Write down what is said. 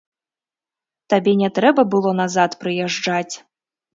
Табе не трэба было назад прыязджаць.